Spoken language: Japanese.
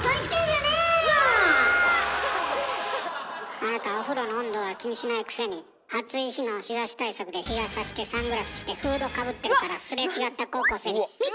あなたお風呂の温度は気にしないくせに暑い日の日ざし対策で日傘してサングラスしてフードかぶってるからすれ違った高校生に「見て！